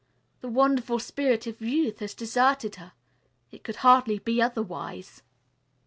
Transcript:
That wonderful spirit of youth has deserted her. It could hardly be otherwise."